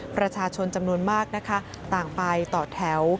ประชาชนจำนวนมากนะคะต่างไปต่อแถว